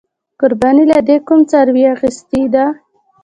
قربانۍ له دې کوم څاروې اغستی دی؟